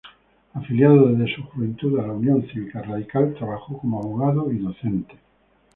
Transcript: Afiliado desde su juventud a la Unión Cívica Radical, trabajó como abogado y docente.